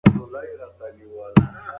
د ټولنیزو اړیکو بېاحترامي مه کوه.